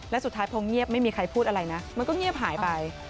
และสุดท้ายพอเงียบไม่มีใครพูดอะไรนะมันก็เงียบหายไป